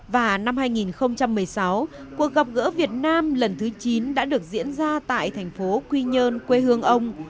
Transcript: và năm hai nghìn một mươi sáu cuộc gặp gỡ việt nam lần thứ chín đã được diễn ra tại thành phố quy nhơn quê hương ông